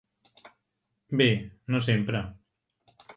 Bé, no sempre.